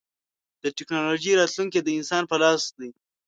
د ټکنالوجۍ راتلونکی د انسان په لاس دی.